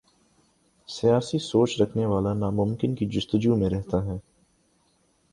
سیاسی سوچ رکھنے والا ناممکن کی جستجو میں رہتا ہے۔